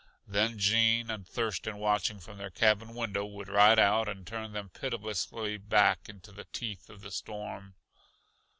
Then Gene and Thurston watching from their cabin window would ride out and turn them pitilessly back into the teeth of the storm.